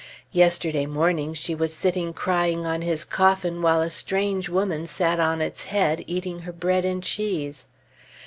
(Yesterday morning she was sitting crying on his coffin while a strange woman sat on its head eating her bread and cheese.)